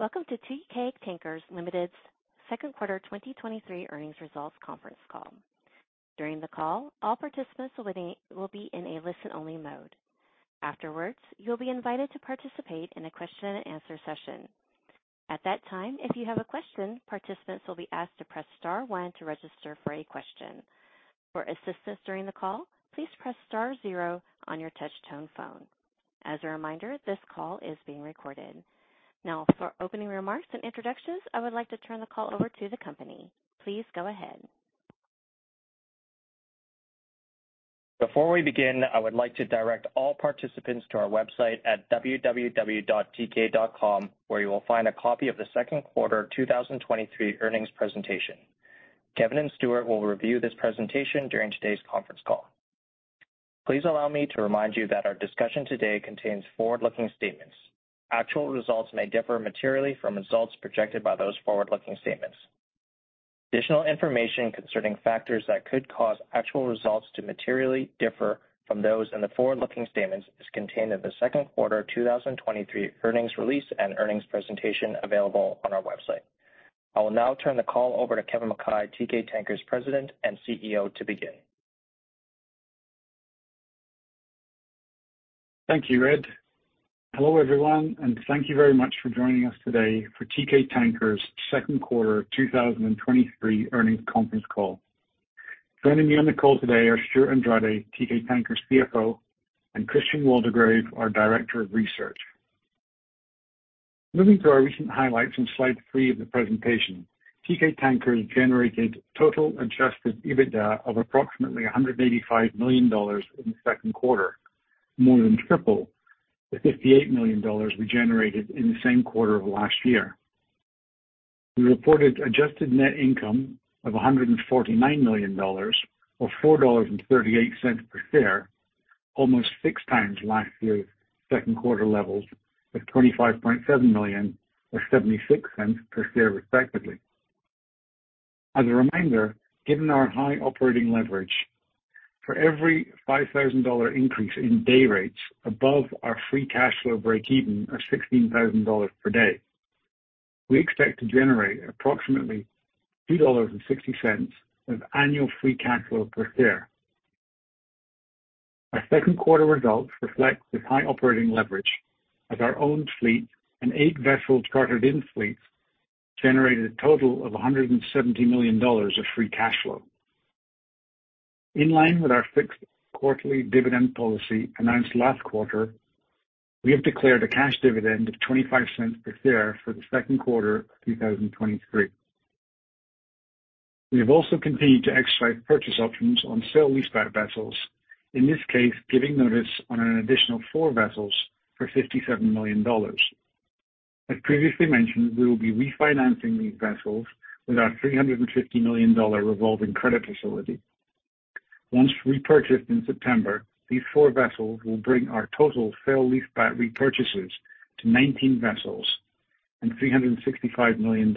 Welcome to Teekay Tankers Limited's second quarter 2023 earnings results conference call. During the call, all participants will be in a listen-only mode. Afterwards, you'll be invited to participate in a question and answer session. At that time, if you have a question, participants will be asked to press star one to register for a question. For assistance during the call, please press star zero on your touch-tone phone. As a reminder, this call is being recorded. For opening remarks and introductions, I would like to turn the call over to the company. Please go ahead. Before we begin, I would like to direct all participants to our website at www.teekay.com, where you will find a copy of the second quarter 2023 earnings presentation. Kevin and Stewart will review this presentation during today's conference call. Please allow me to remind you that our discussion today contains forward-looking statements. Actual results may differ materially from results projected by those forward-looking statements. Additional information concerning factors that could cause actual results to materially differ from those in the forward-looking statements is contained in the second quarter 2023 earnings release and earnings presentation available on our website. I will now turn the call over to Kevin Mackay, Teekay Tankers President and CEO, to begin. Thank you, Ed. Hello, everyone, and thank you very much for joining us today for Teekay Tankers' second quarter 2023 earnings conference call. Joining me on the call today are Stewart Andrade, Teekay Tankers CFO, and Christian Waldegrave, our Director of Research. Moving to our recent highlights on Slide 3 of the presentation, Teekay Tankers generated total adjusted EBITDA of approximately $185 million in the second quarter, more than triple the $58 million we generated in the same quarter of last year. We reported adjusted net income of $149 million, or $4.38 per share, almost six times last year's second quarter levels of $25.7 million, or $0.76 per share, respectively. As a reminder, given our high operating leverage, for every $5,000 increase in day rates above our free cash flow breakeven of $16,000 per day, we expect to generate approximately $2.60 of annual free cash flow per share. Our second quarter results reflect this high operating leverage as our own fleet and 8 vessels chartered in fleets generated a total of $170 million of free cash flow. In line with our fixed quarterly dividend policy announced last quarter, we have declared a cash dividend of $0.25 per share for the second quarter of 2023. We have also continued to exercise purchase options on sale-leaseback vessels, in this case, giving notice on an additional 4 vessels for $57 million. As previously mentioned, we will be refinancing these vessels with our $350 million revolving credit facility. Once repurchased in September, these four vessels will bring our total sale-leaseback repurchases to 19 vessels and $365 million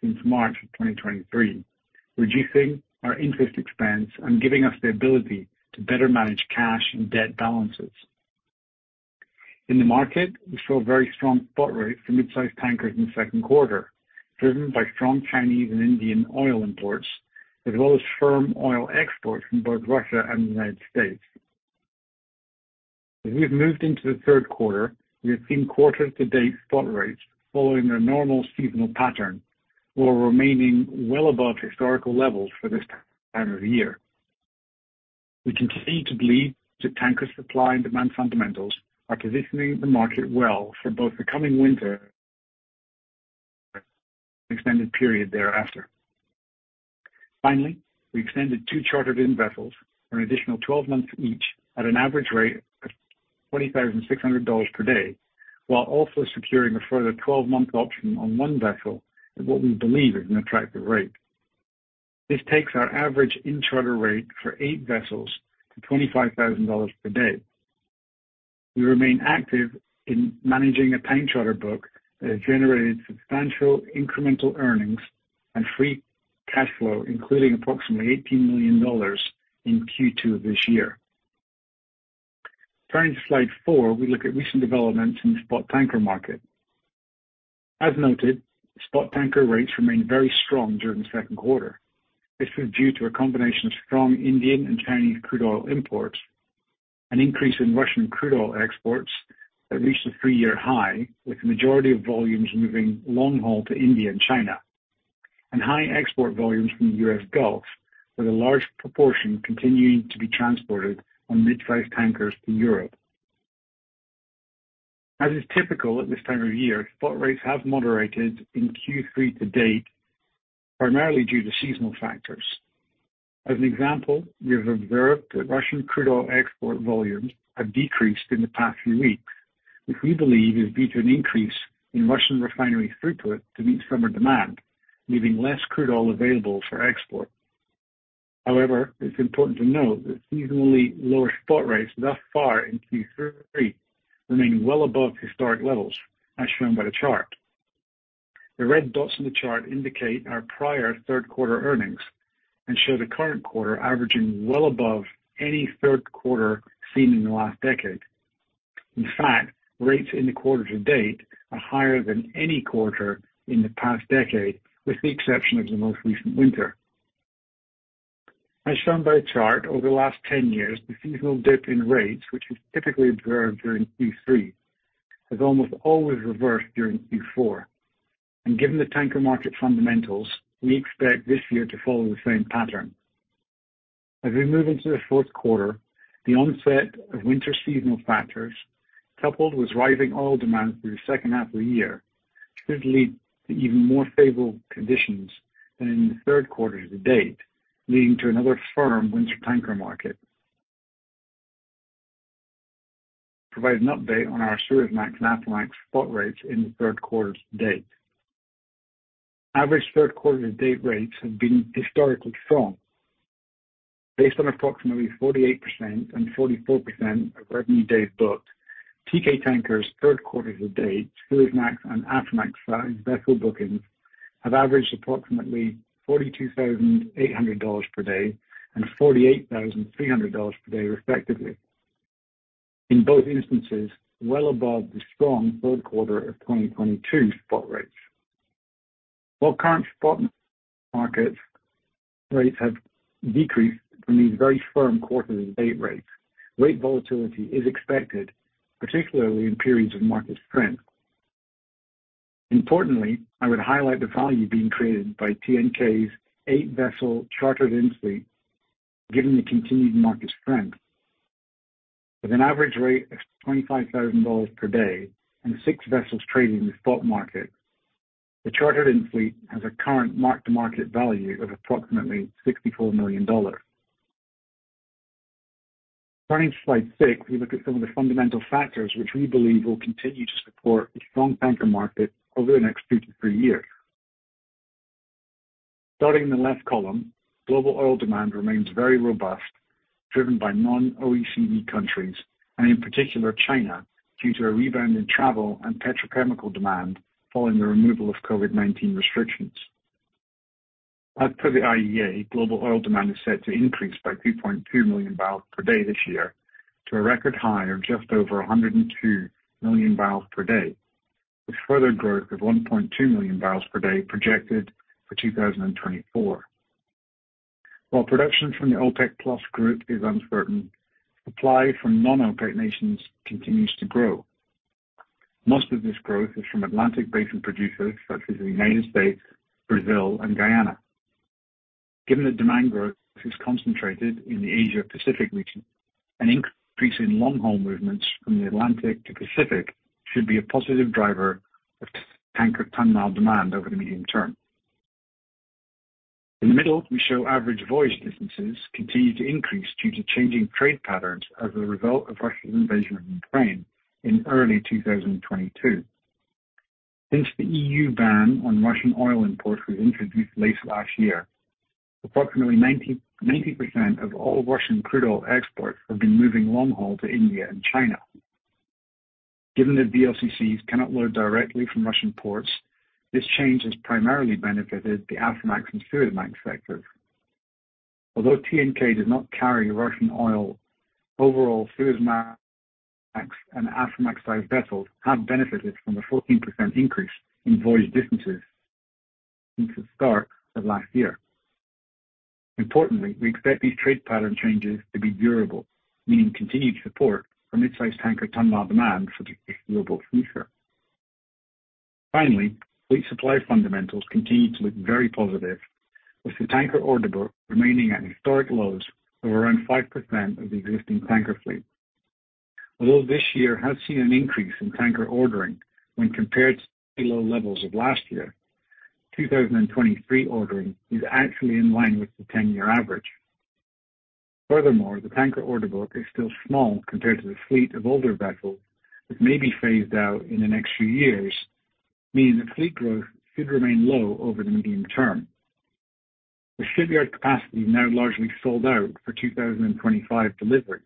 since March of 2023, reducing our interest expense and giving us the ability to better manage cash and debt balances. In the market, we saw very strong spot rates for mid-size tankers in the second quarter, driven by strong Chinese and Indian oil imports, as well as firm oil exports from both Russia and the United States. As we have moved into the third quarter, we have seen quarter-to-date spot rates following their normal seasonal pattern, while remaining well above historical levels for this time of the year. We continue to believe that tanker supply and demand fundamentals are positioning the market well for both the coming winter and an extended period thereafter. Finally, we extended two chartered-in vessels an additional 12 months each at an average rate of $20,600 per day, while also securing a further 12-month option on one vessel at what we believe is an attractive rate. This takes our average in-charter rate for eight vessels to $25,000 per day. We remain active in managing a time charter book that has generated substantial incremental earnings and free cash flow, including approximately $18 million in Q2 of this year. Turning to slide four, we look at recent developments in the spot tanker market. As noted, spot tanker rates remained very strong during the second quarter. This was due to a combination of strong Indian and Chinese crude oil imports, an increase in Russian crude oil exports that reached a 3-year high, with the majority of volumes moving long haul to India and China, and high export volumes from the U.S. Gulf, with a large proportion continuing to be transported on midsize tankers to Europe. As is typical at this time of year, spot rates have moderated in Q3 to date, primarily due to seasonal factors. As an example, we have observed that Russian crude oil export volumes have decreased in the past few weeks, which we believe is due to an increase in Russian refinery throughput to meet summer demand, leaving less crude oil available for export. However, it's important to note that seasonally lower spot rates thus far in Q3 remain well above historic levels, as shown by the chart. The red dots on the chart indicate our prior third quarter earnings. Show the current quarter averaging well above any third quarter seen in the last 10 years. In fact, rates in the quarter to date are higher than any quarter in the past 10 years, with the exception of the most recent winter. As shown by the chart, over the last 10 years, the seasonal dip in rates, which is typically observed during Q3, has almost always reversed during Q4. Given the tanker market fundamentals, we expect this year to follow the same pattern. As we move into the fourth quarter, the onset of winter seasonal factors, coupled with rising oil demand through the 2nd half of the year, should lead to even more favorable conditions than in the third quarter to date, leading to another firm winter tanker market. Provide an update on our Aframax and Panamax spot rates in the third quarter to date. Average third quarter to date rates have been historically strong. Based on approximately 48% and 44% of revenue days booked, Teekay Tankers third quarter to date, Aframax, and Panamax size vessel bookings have averaged approximately $42,800 per day and $48,300 per day, respectively. In both instances, well above the strong third quarter of 2022 spot rates. While current spot market rates have decreased from these very firm quarter to date rates, rate volatility is expected, particularly in periods of market strength. Importantly, I would highlight the value being created by TNK's 8-vessel chartered in fleet, given the continued market strength. With an average rate of $25,000 per day and six vessels trading in the spot market, the chartered-in fleet has a current mark-to-market value of approximately $64 million. Turning to slide six, we look at some of the fundamental factors which we believe will continue to support a strong tanker market over the next 2-3 years. Starting in the left column, global oil demand remains very robust, driven by non-OECD countries, and in particular, China, due to a rebound in travel and petrochemical demand following the removal of COVID-19 restrictions. As per the IEA, global oil demand is set to increase by 2.2 million barrels per day this year, to a record high of just over 102 million barrels per day, with further growth of 1.2 million barrels per day projected for 2024. While production from the OPEC+ group is uncertain, supply from non-OPEC nations continues to grow. Most of this growth is from Atlantic Basin producers such as the United States, Brazil and Guyana. Given that demand growth is concentrated in the Asia-Pacific region, an increase in long-haul movements from the Atlantic to Pacific should be a positive driver of tanker ton-mile demand over the medium term. In the middle, we show average voyage distances continue to increase due to changing trade patterns as a result of Russia's invasion of Ukraine in early 2022. Since the EU ban on Russian oil imports was introduced late last year, approximately 90% of all Russian crude oil exports have been moving long haul to India and China. Given that VLCCs cannot load directly from Russian ports, this change has primarily benefited the Aframax and Panamax sectors. Although TNK does not carry Russian oil, overall, Aframax and Panamax-sized vessels have benefited from a 14% increase in voyage distances since the start of last year. Importantly, we expect these trade pattern changes to be durable, meaning continued support for mid-size tanker ton-mile demand for the global future. Finally, fleet supply fundamentals continue to look very positive, with the tanker order book remaining at historic lows of around 5% of the existing tanker fleet. Although this year has seen an increase in tanker ordering when compared to the low levels of last year, 2023 ordering is actually in line with the 10-year average. Furthermore, the tanker order book is still small compared to the fleet of older vessels that may be phased out in the next few years, meaning that fleet growth should remain low over the medium term. With shipyard capacity now largely sold out for 2025 deliveries,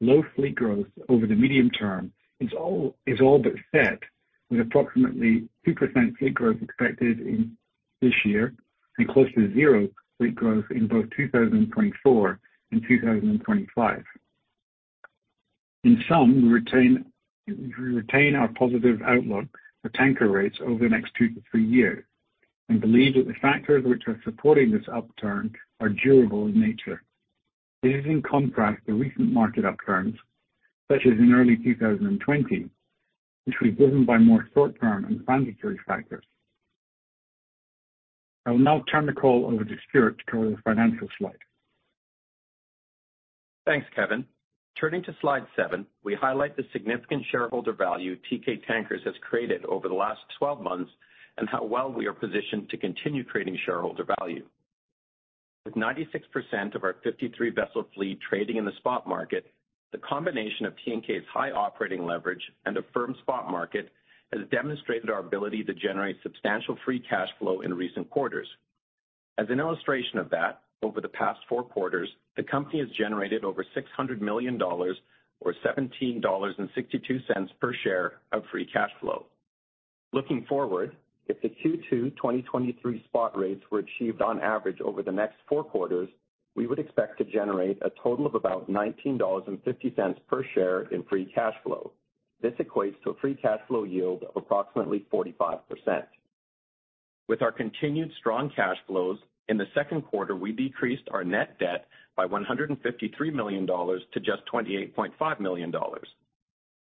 low fleet growth over the medium term is all but set, with approximately 2% fleet growth expected in this year and close to 0 fleet growth in both 2024 and 2025. In sum, we retain our positive outlook for tanker rates over the next 2-3 years and believe that the factors which are supporting this upturn are durable in nature. This is in contrast to recent market upturns, such as in early 2020, which was driven by more short-term and transitory factors. I will now turn the call over to Stewart to cover the financial slide. Thanks, Kevin. Turning to slide seven, we highlight the significant shareholder value Teekay Tankers has created over the last 12 months and how well we are positioned to continue creating shareholder value. With 96% of our 53 vessel fleet trading in the spot market, the combination of TNK's high operating leverage and a firm spot market has demonstrated our ability to generate substantial free cash flow in recent quarters. As an illustration of that, over the past four quarters, the company has generated over $600 million, or $17.62 per share of free cash flow. Looking forward, if the Q2 2023 spot rates were achieved on average over the next four quarters, we would expect to generate a total of about $19.50 per share in free cash flow. This equates to a free cash flow yield of approximately 45%. With our continued strong cash flows, in the second quarter, we decreased our net debt by $153 million to just $28.5 million.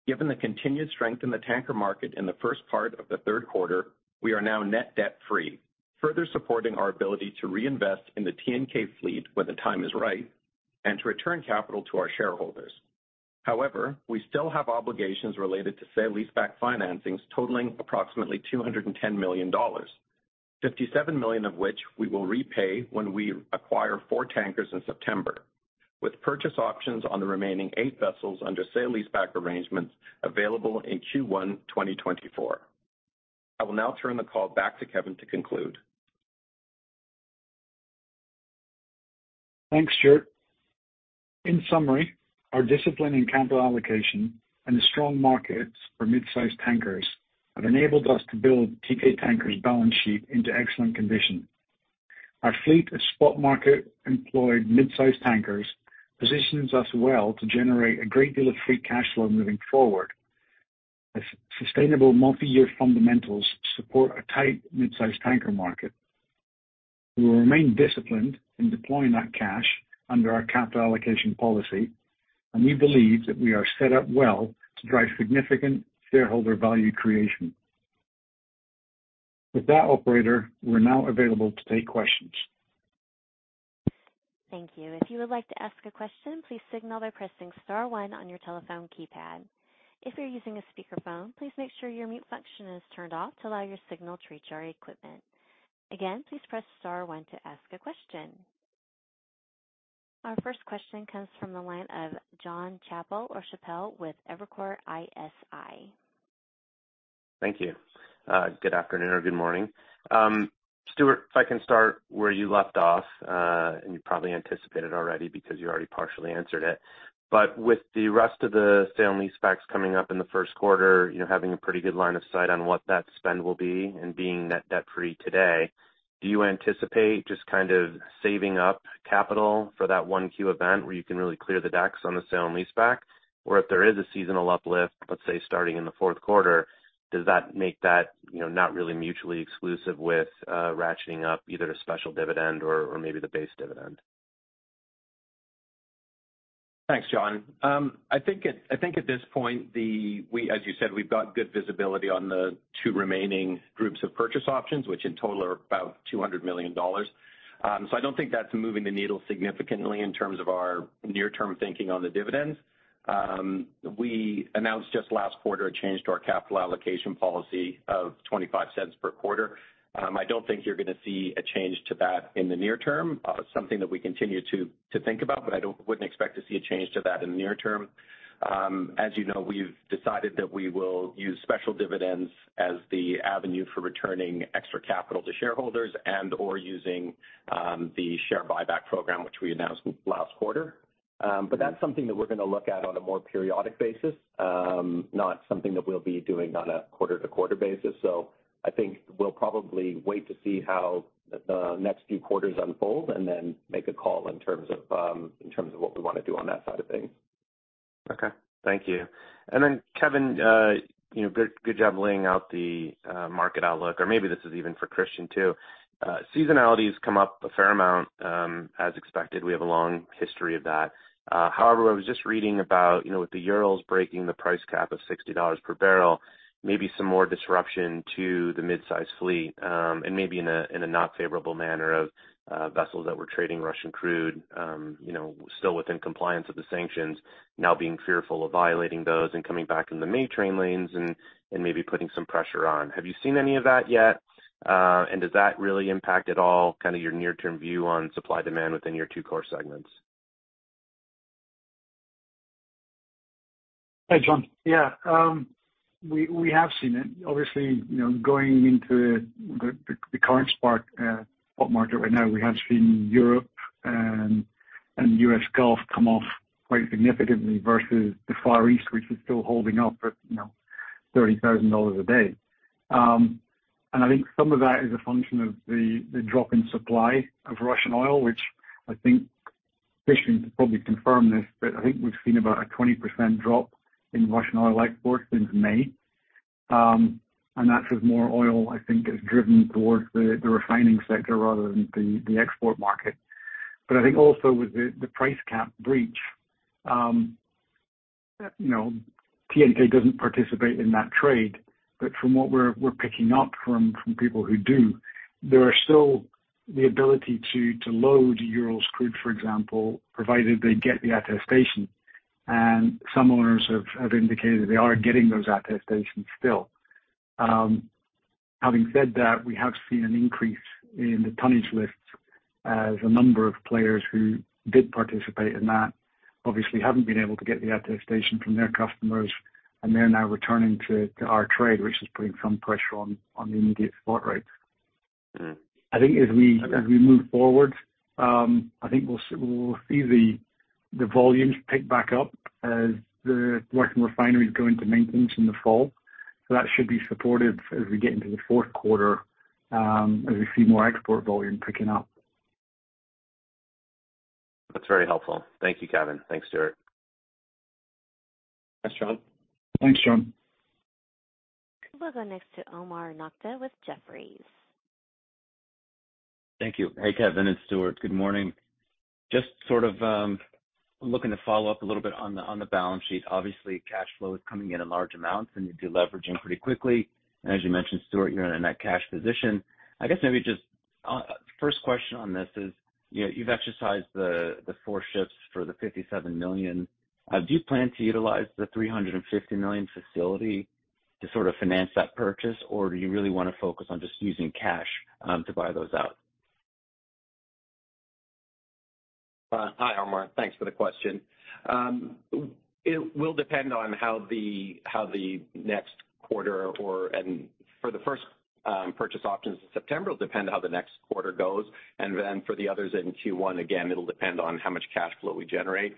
Given the continued strength in the tanker market in the first part of the third quarter, we are now net debt-free, further supporting our ability to reinvest in the TNK fleet when the time is right and to return capital to our shareholders. However, we still have obligations related to sale leaseback financings totaling approximately $210 million, $57 million of which we will repay when we acquire 4 tankers in September, with purchase options on the remaining 8 vessels under sale leaseback arrangements available in Q1 2024. I will now turn the call back to Kevin to conclude. Thanks, Stewart. In summary, our discipline in capital allocation and the strong markets for mid-sized tankers have enabled us to build Teekay Tankers' balance sheet into excellent condition. Our fleet of spot market-employed mid-sized tankers positions us well to generate a great deal of free cash flow moving forward, as sustainable multi-year fundamentals support a tight mid-sized tanker market. We will remain disciplined in deploying that cash under our capital allocation policy. We believe that we are set up well to drive significant shareholder value creation. With that, operator, we're now available to take questions. Thank you. If you would like to ask a question, please signal by pressing star one on your telephone keypad. If you're using a speakerphone, please make sure your mute function is turned off to allow your signal to reach our equipment. Again, please press star one to ask a question. Our first question comes from the line of Jon Chappell or Chappell with Evercore ISI. Thank you. Good afternoon or good morning. Stewart, if I can start where you left off, and you probably anticipated already because you already partially answered it. With the rest of the sale-leasebacks coming up in the first quarter, you know, having a pretty good line of sight on what that spend will be and being net debt-free today, do you anticipate just kind of saving up capital for that 1Q event where you can really clear the decks on the sale-leaseback? If there is a seasonal uplift, let's say, starting in the fourth quarter, does that make that, you know, not really mutually exclusive with ratcheting up either a special dividend or, or maybe the base dividend? Thanks, Jon. I think at, I think at this point, we, as you said, we've got good visibility on the two remaining groups of purchase options, which in total are about $200 million. I don't think that's moving the needle significantly in terms of our near-term thinking on the dividends. We announced just last quarter a change to our capital allocation policy of $0.25 per quarter. I don't think you're going to see a change to that in the near term. It's something that we continue to think about, but I don't, wouldn't expect to see a change to that in the near term. As you know, we've decided that we will use special dividends as the avenue for returning extra capital to shareholders and/or using the share buyback program, which we announced last quarter. That's something that we're going to look at on a more periodic basis, not something that we'll be doing on a quarter-to-quarter basis. I think we'll probably wait to see how the next few quarters unfold and then make a call in terms of, in terms of what we want to do on that side of things. Okay. Thank you. Kevin, you know, good, good job laying out the market outlook, or maybe this is even for Christian, too. Seasonality has come up a fair amount, as expected. We have a long history of that. However, I was just reading about, you know, with the Urals breaking the price cap of $60 per barrel, maybe some more disruption to the mid-sized fleet, and maybe in a, in a not favorable manner of vessels that were trading Russian crude, you know, still within compliance with the sanctions, now being fearful of violating those and coming back in the main trade lanes and, and maybe putting some pressure on. Have you seen any of that yet? Does that really impact at all, kind of your near-term view on supply-demand within your two core segments? Hey, Jon. Yeah, we, we have seen it. Obviously, you know, going into the, the, the current spot spot market right now, we have seen Europe and U.S. Gulf come off quite significantly versus the Far East, which is still holding up at, you know, $30,000 a day. I think some of that is a function of the, the drop in supply of Russian oil, which I think Christian could probably confirm this, but I think we've seen about a 20% drop in Russian oil exports since May. That's as more oil, I think, has driven towards the, the refining sector rather than the, the export market. I think also with the price cap breach, you know, TNK doesn't participate in that trade, but from what we're picking up from people who do, there are still the ability to load Urals crude, for example, provided they get the attestation. Some owners have indicated they are getting those attestations still. Having said that, we have seen an increase in the tonnage lists as a number of players who did participate in that obviously haven't been able to get the attestation from their customers, and they're now returning to our trade, which is putting some pressure on the immediate spot rates. I think as we move forward, I think we'll see the volumes pick back up as the working refineries go into maintenance in the fall. That should be supportive as we get into the fourth quarter, as we see more export volume picking up. That's very helpful. Thank you, Kevin. Thanks, Stewart. Thanks, John. Thanks, John. We'll go next to Omar Nokta with Jefferies. Thank you. Hey, Kevin and Stewart, good morning. Just sort of, looking to follow up a little bit on the balance sheet. Obviously, cash flow is coming in in large amounts, and you're deleveraging pretty quickly. As you mentioned, Stewart, you're in a net cash position. I guess maybe just, first question on this is, you know, you've exercised the 4 ships for the $57 million. Do you plan to utilize the $350 million facility to sort of finance that purchase, or do you really want to focus on just using cash to buy those out? Hi, Omar. Thanks for the question. It will depend on how the, how the next quarter and for the first purchase options in September, it'll depend on how the next quarter goes. For the others in Q1, again, it'll depend on how much cash flow we generate.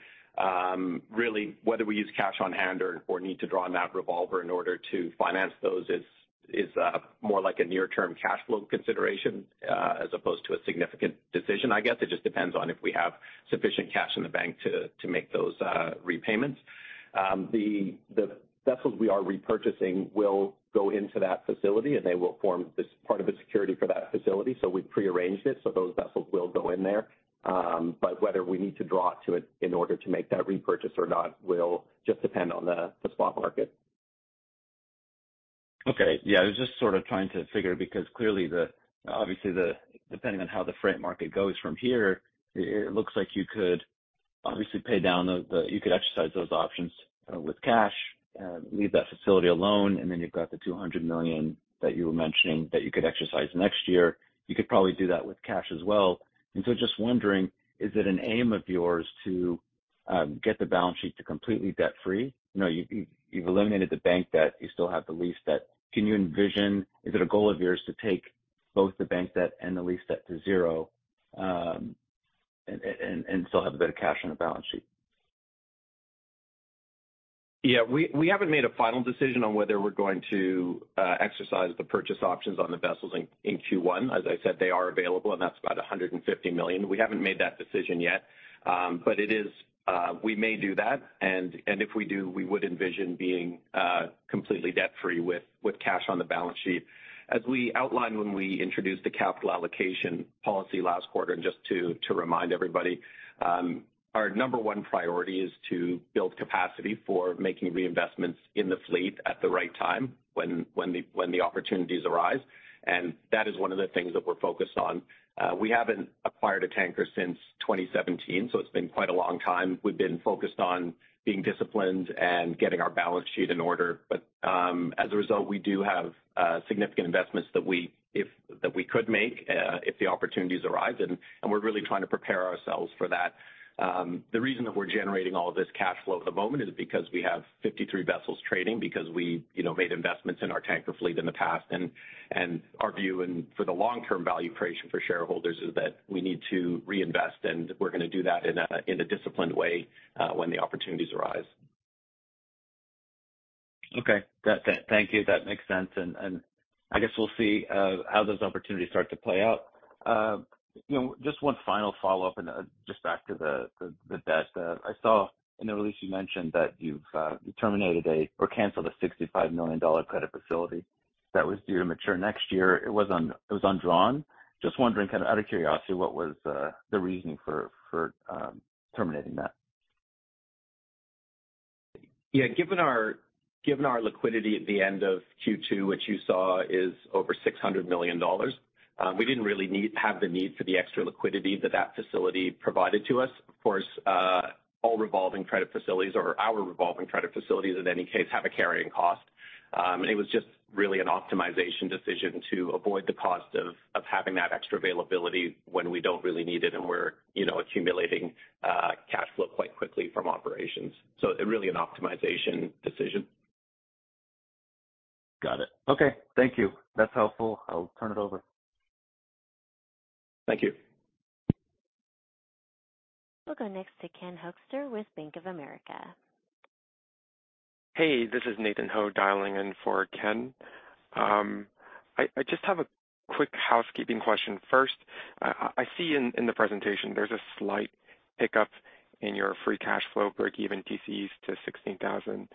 Really, whether we use cash on hand or, or need to draw on that revolver in order to finance those is, is more like a near-term cash flow consideration, as opposed to a significant decision. I guess, it just depends on if we have sufficient cash in the bank to, to make those repayments. The vessels we are repurchasing will go into that facility, and they will form this part of the security for that facility. We've prearranged it so those vessels will go in there. Whether we need to draw to it in order to make that repurchase or not, will just depend on the spot market. Okay. Yeah, I was just sort of trying to figure, because clearly depending on how the freight market goes from here, it, it looks like you could obviously pay down the. You could exercise those options with cash, leave that facility alone, and then you've got the $200 million that you were mentioning that you could exercise next year. You could probably do that with cash as well. Just wondering, is it an aim of yours to get the balance sheet to completely debt-free? You know, you've, you've, you've eliminated the bank debt, you still have the lease debt. Can you envision, is it a goal of yours to take both the bank debt and the lease debt to zero, and still have a bit of cash on the balance sheet? Yeah, we, we haven't made a final decision on whether we're going to exercise the purchase options on the vessels in Q1. As I said, they are available, and that's about $150 million. We haven't made that decision yet. It is, we may do that, and if we do, we would envision being completely debt-free with cash on the balance sheet. As we outlined when we introduced the capital allocation policy last quarter, and just to remind everybody, our number 1 priority is to build capacity for making reinvestments in the fleet at the right time when the opportunities arise. That is 1 of the things that we're focused on. We haven't acquired a tanker since 2017, so it's been quite a long time. We've been focused on being disciplined and getting our balance sheet in order. As a result, we do have significant investments that we could make if the opportunities arise, and we're really trying to prepare ourselves for that. The reason that we're generating all of this cash flow at the moment is because we have 53 vessels trading, because we, you know, made investments in our tanker fleet in the past. Our view, and for the long-term value creation for shareholders, is that we need to reinvest, and we're going to do that in a disciplined way when the opportunities arise. Okay. That Thank you. That makes sense. I guess we'll see how those opportunities start to play out. You know, just one final follow-up and just back to the debt. I saw in the release you mentioned that you've you terminated a or canceled a $65 million credit facility that was due to mature next year. It was undrawn. Just wondering, kind of out of curiosity, what was the reasoning for terminating that? Yeah, given our, given our liquidity at the end of Q2, which you saw is over $600 million, we didn't really have the need for the extra liquidity that that facility provided to us. Of course, all revolving credit facilities or our revolving credit facilities, in any case, have a carrying cost. It was just really an optimization decision to avoid the cost of, of having that extra availability when we don't really need it, and we're, you know, accumulating cash flow quite quickly from operations. Really an optimization decision. Got it. Okay, thank you. That's helpful. I'll turn it over. Thank you. We'll go next to Ken Hoexter with Bank of America. Hey, this is Nathan Ho, dialing in for Ken. I, I just have a quick housekeeping question first. I see in, in the presentation there's a slight pickup in your free cash flow breakeven TCs to $16,000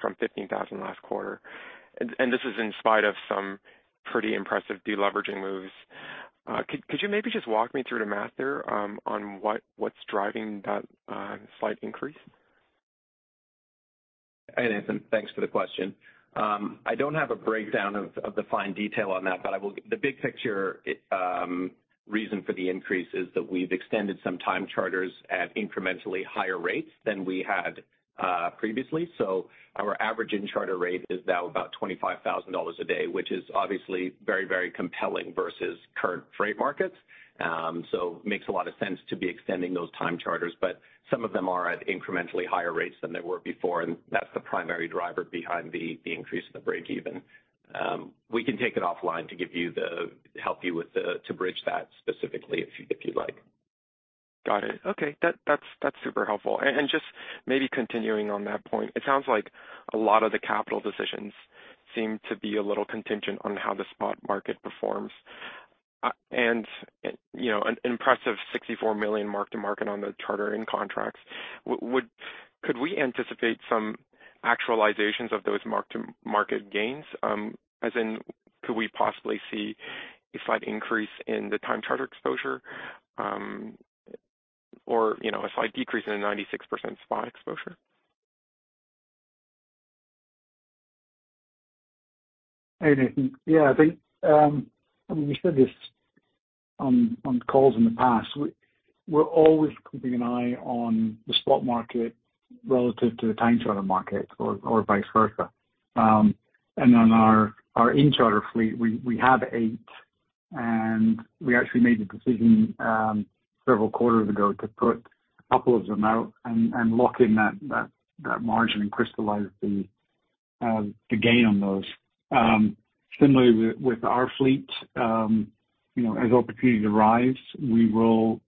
from $15,000 last quarter, and, and this is in spite of some pretty impressive deleveraging moves. Could, could you maybe just walk me through the math there, on what, what's driving that slight increase? Hey, Nathan, thanks for the question. I don't have a breakdown of, of the fine detail on that, but I will. The big picture reason for the increase is that we've extended some time charters at incrementally higher rates than we had previously. Our average in charter rate is now about $25,000 a day, which is obviously very, very compelling versus current freight markets. Makes a lot of sense to be extending those time charters, but some of them are at incrementally higher rates than they were before, and that's the primary driver behind the increase in the breakeven. We can take it offline to help you with the to bridge that specifically, if you'd like. ... Got it. Okay, that, that's, that's super helpful. Just maybe continuing on that point, it sounds like a lot of the capital decisions seem to be a little contingent on how the spot market performs. You know, an impressive $64 million mark-to-market on the charter in contracts. Could we anticipate some actualizations of those mark-to-market gains? As in, could we possibly see a slight increase in the time charter exposure, or, you know, a slight decrease in the 96% spot exposure? Hey, Nathan. Yeah, I think, I mean, we said this on, on calls in the past. We, we're always keeping an eye on the spot market relative to the time charter market or, or vice versa. And on our, our in-charter fleet, we, we have 8, and we actually made the decision, several quarters ago to put 2 of them out and, and lock in that, that, that margin and crystallize the, the gain on those. Similarly with, with our fleet, you know, as opportunities arise, we will,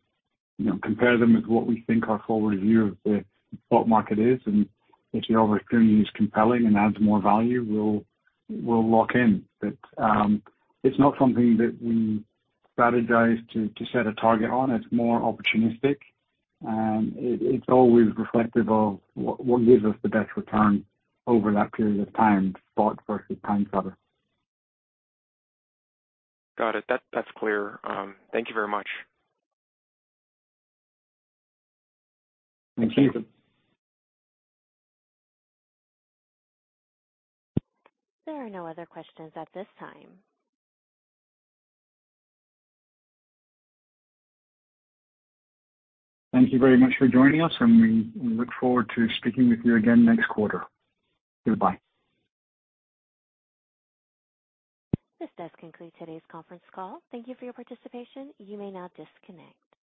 you know, compare them with what we think our forward view of the spot market is, and if the opportunity is compelling and adds more value, we'll, we'll lock in. It's not something that we strategize to, to set a target on. It's more opportunistic, and it, it's always reflective of what, what gives us the best return over that period of time, spot versus time charter. Got it. That's, that's clear. Thank you very much. Thank you. There are no other questions at this time. Thank you very much for joining us. We look forward to speaking with you again next quarter. Goodbye. This does conclude today's conference call. Thank you for your participation. You may now disconnect.